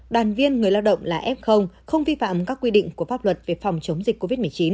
đoàn viên người lao động là f không vi phạm các quy định của pháp luật về phòng chống dịch covid một mươi chín